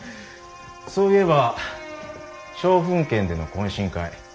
そういえば松風軒での懇親会。